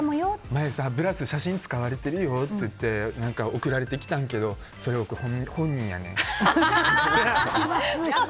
前、ブラス写真使われてるよって送られてきたんやけどそれ本人やねん。